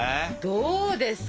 どうですか？